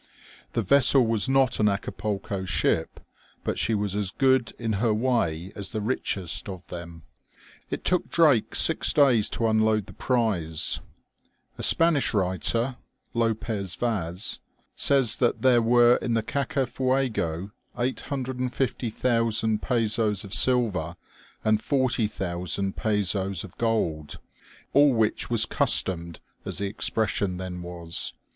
The vessel was not an Acapulco ship, but she was as good in her way as the richest of them. It took Drake six days to unload OLD SHIPS. 197 the prize. A Spanish writer, Lopez Vaz, says that there were in the Gacafuego 850,000 pezoes of silver, and 40,000 pezoes of gold, all which was "customed, as the expression then was.